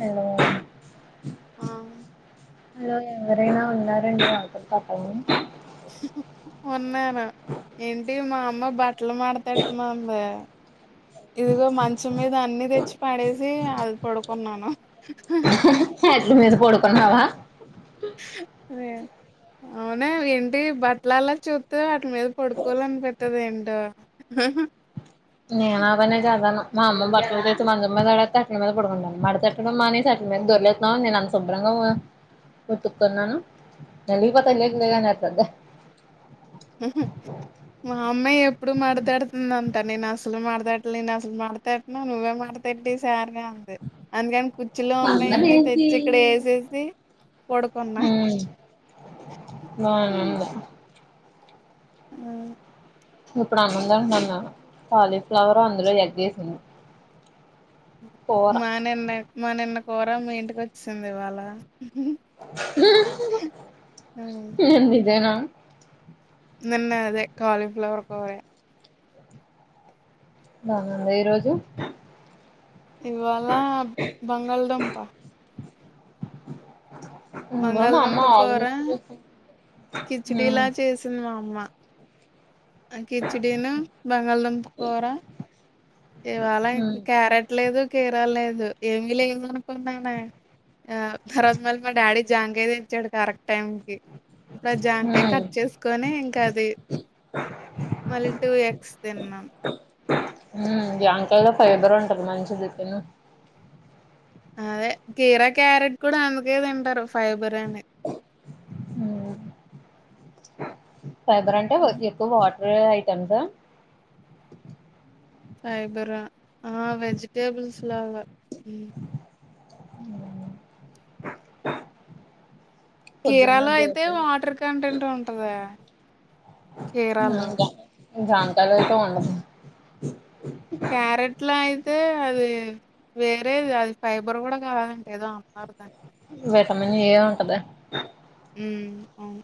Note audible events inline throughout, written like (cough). Hello ఆ hello ఎవరైనా ఉన్నారండి మాకు పాపని ఉన్నాను ఏంటి మా అమ్మ బట్టలు మాడత పెట్టమన్నది ఇదిగో మంచం మీద అన్ని తెచ్చి పడేసి అది పడుకున్నాను ట్ మీది పడుకున్నావ అ అవునా ఏంటి బట్టల అల్లో చూస్త వాటి మీద పడుకోవాలనిపట్టది ఏంటో నేనావనే చదాను మా అమ్మ బట్టలుతే మందతే అట్టని మీద పడుకుండాను మాడతట్టడం అని అట్ని మీదొరలేదుతున్నావు నేనుంతుభ్రంగా ఉతుత నను న పత లేేగ బేగనేతందే మా అమ్మాయి ఎప్పుడు మాడతడుతుందింత నేను అసలు మాడతేట్ నేను అసలు మాడతేట్నా నువ్వే మాడతేట్టి సారే అంది అందుకని కుచ్చీలో ఉమ్ ఉన్నాయండి తెచ్చి ఇక్కడ వేసేసి పడుకున్నా హ్మ్మ్ ఆ ఆ ఆ ఇప్పుడు అన్నందంట మ టాలీఫ్లవర్ అందులో ఎగ్గేసింది మా నిన్న మా నిన్న కూర మీ ఇంటికి వచ్చింది ఇవాళ ఉమ్. నందదేనా నిన్న అదే కాాలిఫ్లవర్ ఒక కొర బానంది ఈరోోజు ఇవళ బంగాళదుంప మా అమ్మ బంగాళదుంప కూర ఆలు కిచిడీల ఉమ్ చేసింది మా అమ్మ ఆ కిచడీను బంగాళదుంపు కూర ఇవాళ ఉమ్ క్యారెట్ లేదు కీరా లేదు ఏమి లేదు అనుకున్నానా ఆ ఆ భరత్మల్ మా డాడీ జామకాయ తెచ్చాడు కరెక్ టైం కి ఇపుడ్ ఆ జామకాయ ఉమ్ కట్ చేసుకొని ఇంకా అది మళ్ళీ టూ ఎక్స్ తిన్నాం జంకైలో ఫైబర్ ఉంటది మంచిది తిను అదే కీరా క్యారెట్ కూడా అందుకే తింటారు ఫైబర్ అని ఉమ్ ఫైబర్ అంటే ఎక్కువ వా రే ఐటమ్స్ ఆ ఫైబర్ ఆ వెజిటేబుల్స్ లాగా కీరా పొద్దున్న లో అయితే దోశలు వాటర్ కంటెంట్ ఉంటదే కీరా లో జంకాలతో ఉండదు క్యారెట్లా ఐ తే అది వేరేది అది ఫైబర్ కూడా కాదండి ఏదో అమ్మారుదం విటమిన్ ఏ ఉంటదా ఉ అవును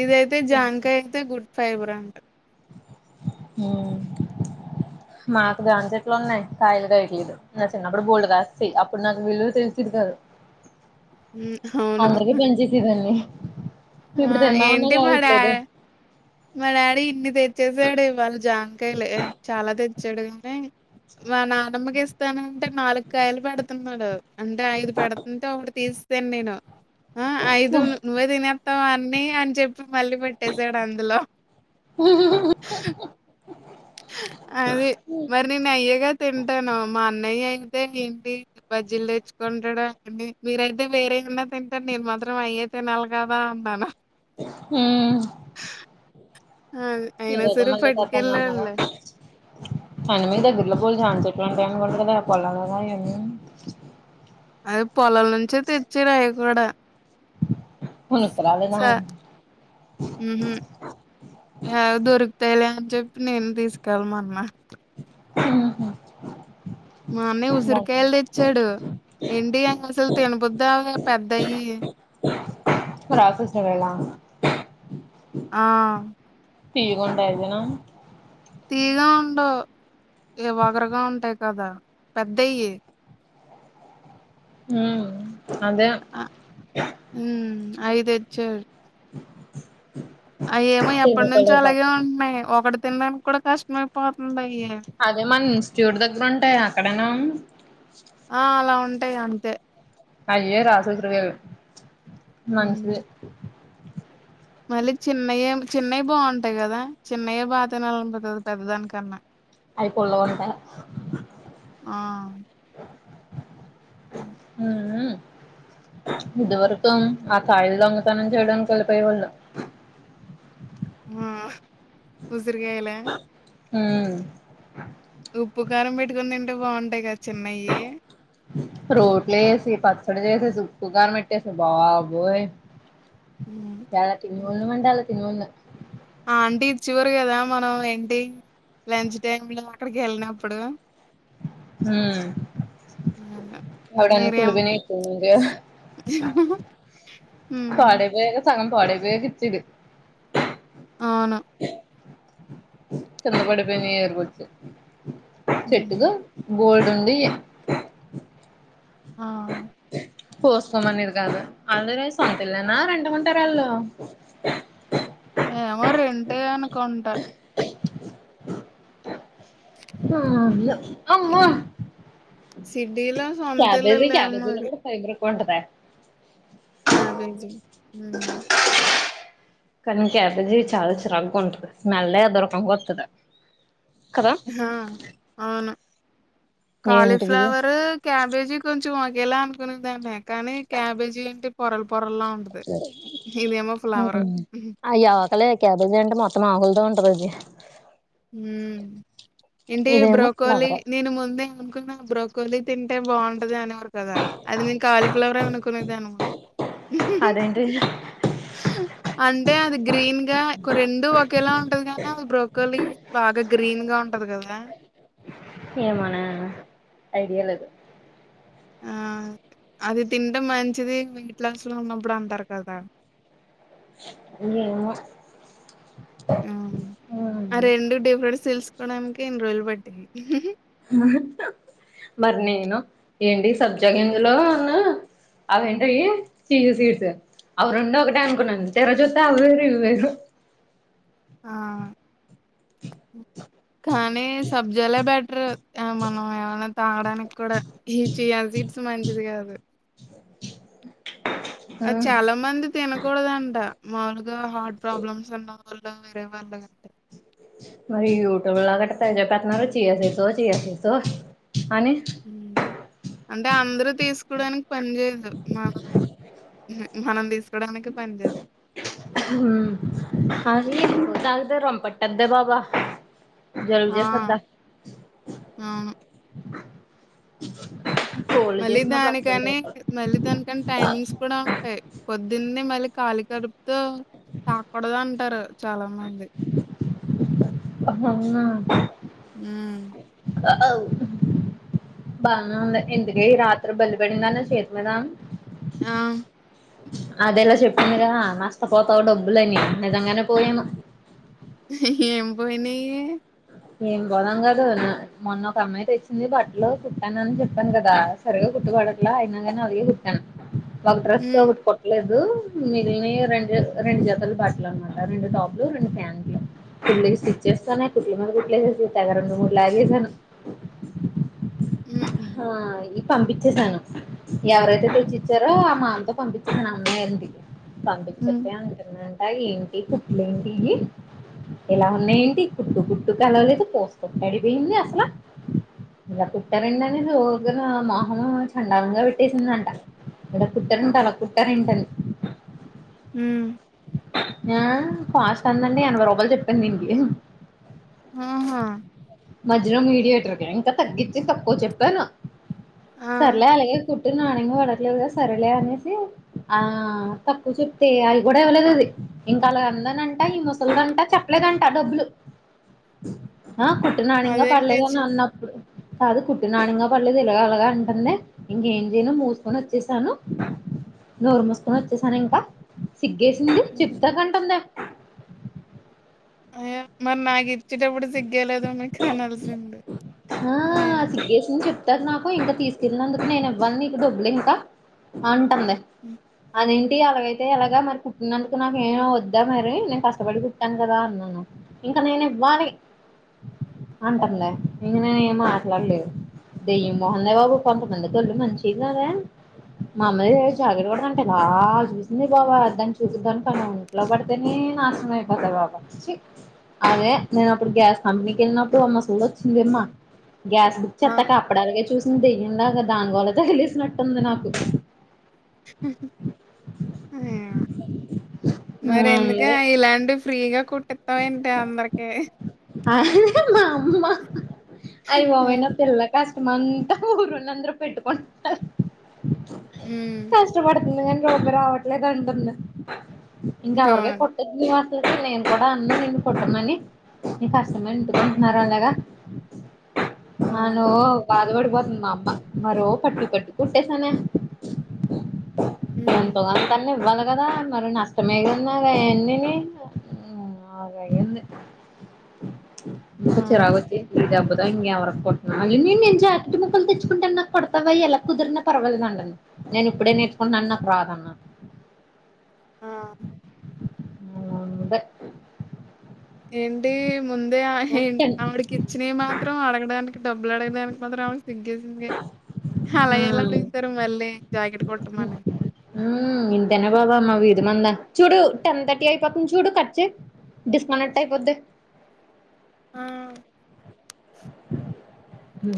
ఇదయితే జాన్కాయ అయితే గుడ్ ఫైబర్ అంట అ మాకు గా చె ఎట్లు ఉన్నాయి కాయిలుగా వయట్లేదు నా చిన్నప్పుడు బోల్డు కాస్తాయి అప్పుడు నాకు విలువ తెలుసి తిడుతారు అవును పంచేసేదాన్ని ఆ ఇప్పుడు తిందామన్నా ఏంటి మా డా కాయట్లేదు మా డాడీ ఇన్ని తెచ్చసాడు ఇవాళ జాంకాయలు చాలా తెచ్చాడు కానీ మా నానమ్మకి ఇస్ స్తానంటే నాలుకాయలు పెడుతున్నాడు అంటే ఐదు పెడుతుంటే ఒకడు తీస్తాను నేను ఆ ఐదు నువ్వే తినేస్తావు అన్ని అని చెప్పి మళ్ళీ పెట్టసాడు అంత అది మరి నేను అయ్యేగా తింట అంటను మా అన్నయ్య అయితే ఏంటి బజ్జీలు తెచ్చుకుంటాడా అని మీరయితే వేరేన్న తింటాడు నేను మాత్రం అయయి తినాలి కదా అన్నాను హు అది. అయినా కు సరే మళ్ళీ తత ఉన్నగా పట్టుకెళ్ళాడులే. అని మీ దగ్గరలో స్కూల్ జన్ చెట్లు (unintelligible) అది పొలం నుంచే తెచ్చి రావి కూడా ఉను ఇప్పు రాలదా (unintelligible) ఉహు ఎడ దరుకుతాలే చెప్పి నేను తీసుకెళ్ళమ అన్న ఉహు మా అన్నయ్య ఉసిరికాయలు తెచ్చాడు ఏంటి అ అసలు తినబద్దా పెద్దయి (unintelligible) వెళ్ళ ఆ తీయకుంటే తిను తీగా ఉండ ఏ వగరగా ఉంటాయి కదా పెద్దయి ఉ అదే అయ్యి తెచ్చాడు అ ఏమో టీవీ ఎప్పటి నుంచో కలర్ పాప అలాగే ఉంటన్నాయి ఒకటి తినడానికి కూడా కష్టమే అదే మన ఇన్స్టిట్యూట్ దగ్గర ఉంటాయి అక్కడేనా ఆ అలా ఉంటాయి అంతే అయ్యే రాసే (unintelligible) వేరు ఉమ్ మంచిదే మళ్ళీ చిన్నయే చిన్నవి బాగుంటాయి కదా చిన్నయే బా తినాలనిపిస్తుంది పెద్దదానికన్నా అయిపోల వంట ఆ హ్మ్ మ్మ్ ఇదివరకు ఆ కాయలు దొంగతనం చేయడానికి వెళ్లిపోయేవాళ్ళు ఆ ఉసిరిగాయల మ్మ్ ఉప్పు కారం పెట్టుకుని తింటే బాగుంటాయి కదా చిన్నయి రోట్లో ఏసీ పచ్చడి చేసేసి ఉప్పు కారం పెట్టేసి బాబోయ్ ఉమ్ చాలా (unintelligible) తినమంటన్న తినమన్న ఆ ఆంటీ చూరు కదా మనం ఏంటి లంచ్ టైమ్ లో అక్కడికి వెళ్ళినప్పుడు మ్మ్ అవును. మీరేం (unintelligible) హ్మ్ పాడైపోయాక సగం పాడపోయక ఇచ్చిద్ది అవును కింద పడిపోయినవి ఏరుకొచ్చి చెట్టు కు హ్మ్ బోల్డన్ న్నీ ఆ కోసుకోమనేది కాదు (unintelligible) రంటుకుంటార వాళ్ళు ఏమో రెంటే అనుకుంటా ఆ (unintelligible) అమ్మో సిటీలో సొంత క్యాబేజి ఇల్లులేమో క్యాబేజి లో మరి కూడా ఫైబర్ ఎక్కువ ఉంటద క్యాబేజీ మ్మ్ కానీ క్యాబేజీ చాలా చిరగ్గా ఉంటది స్మేల్లే అదోరకంగా వత్తది కదా హా అవును ఏంటిది కాలిఫ్లవర్ క్యాబేజీ కొం చం ఒకేలా అనుకునే దాన్ని కానీ క్యాబేజీ ఏంటి పొరలు పొరల్లా ఉంటది ఇదేమో ఫ్లవర్ అలే క్యాబేజీ అంటే మొత్తం ఆకులతో ఉంటది అది మ్మ్ ఏంటి ఇదేమో బ్రోకోలీ ఫ్లవరే నేను ముందే అనుకున్నా బ్రో కొని తింటే బాగుంటది అనేవారు కదా అది నేను కాలీఫ్లవరె అనుకునే దాన్ని అదేంటి అంటే అది గ్రీన్ గా రెండు ఒకేలా ఉంటది కానీ అది బ్రోకలీ బాగా గ్రీన్ గా ఉంటది కదా ఏమో నా ఐడియా లేదు ఆ అది తింటే మంచిది వెయిట్ లాస్ లో ఉన్నప్పుడు అంటారు కదా ఏమో మ్మ్ ఆ రెండు డిఫరెంట్ తెలుసుకోడానికి ఇన్ని రోజులు పట్టింది మరి నేను ఏంటి సబ్జా గింజలో (unintelligible) అవేంటివి చియా సీడ్స్ అవి రెండు ఒకటే అనుకున్నాను తీర చూత్తే అవి ఇవి వేరు ఆ కానీ సబ్జలే బెటరు ఆ మనం ఏమన్న తాగడానికి కూడా ఈ చియా సీడ్స్ మంచిది కాదు ఆ అది చాలా మంది తినకూడదంట మాములుగా హార్ట్ ప్రాబ్లమ్స్ ఉన్న వాళ్ళు వేరే వాళ్ళు (unintelligible) మరి యూట్యూబ్ లో గట్ట తెగ చెప్పేతున్నారు చియా సీడ్సో చియా సీడ్సో అంటే అందరూ తీసుకోడానికి పని చేయదు మా మనంది అ తగతే రొంపట్టద్ద బాబా జలుబు ఆ చేసేద్దా ఆ ఎమ్మో మళ్ళీ దానికని మళ్ళీ దానికని టైమింగ్స్ కూడా ఉంటాయి పొద్దున్నే మళ్ళీ కాలీ కడుపుతో తాకూడదు అంటారు చాలా మంది అ హ్మ్. అవు బాగా ఉంది ఎందుక రాత్రి బయలిపెడిందాన్న చేతి మీద ఆ అదేలా చెప్పిందిరా నష్టపోతావు డబ్బులని నిజంగానే పోయాము ఏం పోయినా ఏం పోదాం కాదు మొన్న ఒక అమ్మాయి తెచ్చింది బట్టలో కుట్టానని చెప్పాను కదా సరిగా కుట్టాను ప అయిక అదిగే కట్ట ఒక హ్మ్. డ్రస్ట్టలే మిగిలి రెం రెండు జతలు బట్టలు అనమాట రెండు టాప్లు రెండు ప్యాంట్లు స్చ్చ చేస్తాన్నా కు మ కులాగా ర మూడు లాగసను హుహు. ఆ ఇ పంపించసాను ఎవరైతే హ్మ్. తెచ్చిచ్చారో ఆ మా అంత పంపించండి పంపిన్చట్ట హ్మ్. అ అగలే ఇంటి కుప్పలే ఇంటి ఎలా ఉన్నాయింటి కుట్టు గుట్టు కలవలేదు పోసుకుట్ అడిపోయింది అసలా ఇలా కుట్టనడినే రోగన మోహం చండాలంగా పెట్టేసిందంట ఇడ కుటనంట అాల కుటారుంటని హమ్ ఆ ఫస్ట్ అందండి ఎనభై రూపాయలు చెప్పింది ఇండి ఆహా మధ్రం మీడియేటర్ క ఇంకా తగ్గచ్చి తక్కువ చెప్పాను ఆ! సర్లే అలాగే కు నాణ్యంగా పడట్లేదు కదా సరేలే అనేసి ఆ తక్కువ చెప్తే అవి కూడా ఇవ్వలేదు అది చెప్తే అవి కూడా ఇవ్వలేదు అది ఆ కుట్టి నాణంగా అదేంటి చ పడలేదని అన్నప్పుడు కాదు కుట్ నాణ్యంగా పళ్లే తెలగ అలాగా అంటుంద ఇంకేం చేయను మూసుకొని వచ్చేసాను నోరు మసుకొని వచ్చేసాను ఇంకా సిగ్గేసింది హ్మ్. చెప్తా కంటుంద అయ్యో మరి నాకు ఇచ్చేటప్పుడు సిగ్గయలేదు మీకు కానాల్సి ఉంది ఆ ఆ సిగేషన్ చెప్ నాకు ఇంక తీసుకెళ్ళినందుకు నేను ఇవ్వని ఇ డబ్బులు ఇంకా అ అ అలాగైతే ఎలాగా మరి కుట్టినందుకు నాకేమో వద్దా మరి నేను కష్టపడి కుుట్టాను కదా అన్నాను ఇంక నేను ఇవ్వాలి అంటానులే ఇంక నేనే ఏమో మాట్లాడలేదు దయ్యం మోహన్ ద బాబు కొంతమంది తలు మంచిది కదా మామ్మలు హుహు. జాగ్ర ఎలా చూసింది బాబా అద్దాని చూసిద్దాని కాన్నాం ఇంట్లో పడితేనే నాశనం అయిపోతాయి బాబా అదే నేను అప్పుడు గ్యాస్ కంెనీకి వెళ్ళినప్పుడు అమ్మ చూడచ్చ మ్మా గ్యాస్ బుక్ ఆ అత్త కాపడాలాగా చూసి తెయ్యందాగా దానిగోళ తగిలిసినట్టుంది నాకు ఆ మరి ఎందుక ఇలాంటివి ఫ్రీగా కుట్టేస్తావు ఏంటి అందరికి మా అమ్మ అవి హ్మ్. బామయినా తెిల్ల కాష్ట మంతా ఊరున్న అంద్ర పెట్టుకుారు హ రొబ్బ రావట్లే ఇది ఇంకావర్గ అవును. కొట్టవా కూడా అన్న నిేను పుట్టమని న కష్టమని ఎంంటుకుంటున్నారు అలాగా నానో అవును. బాద వడు వర్న్ మా అమ్మా మరో పట్టు పట్టి కుట్టేశానే హ్మ్. ఎంతోగాంతఅన్నా ఇవ్వాలి కదా మరి నష్టమే కదా నాది అన్నిని ఏమో మాగయ్యింది అంత అవును. చిరాకు వచ్చేసింది దెబ్బకి ఇంగా ఎవరికు కుట్టిన నేను జాకెట్ ముక్కలు తెచ్చుకుంటా నాకు కొడతావయి ఎలా కుదిరిన పర్వాలదుదండని నేను ఇప్పుడే నేర్చుకున్నా అన్న నాకు రాదు అన్న ఆ అ ఏంటి ముందే ఆహిన్ ఆవిడికి ఇచ్చినవి మాత్రం అడగడానికి డబ్బులు అడగా దానికి మాత్రం ఆమెకి సిగ్గేసింది అలా ఎలా ఆ అడుగుతారు మళ్ళీ జాకెట్ కుట్టమని హుమ్మ్ ఇంతేనే బాబా మా వీదిమందా చూడు టెన్ థర్టీ అయిపోతుంది చూడు కట్ చెయ్ డిస్కనెక్ట్ అయిపోద్దె ఆ కు